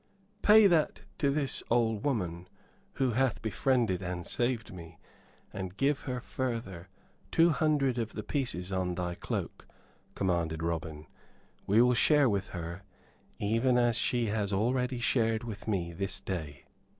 "Pay that to this old woman who hath befriended and saved me; and give her, further, two hundred of the pieces on thy cloak," commanded Robin. "We will share with her, even as she hath already shared with me this day."